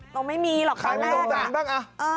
เราไม่มีหรอกครั้งแรกใครไม่สงสารบ้าง